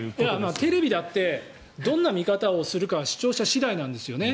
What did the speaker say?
テレビだってどんな見方をするかは視聴者次第なんですね。